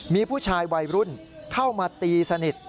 มีผู้ชายวัยรุ่นเข้ามาตีสนิท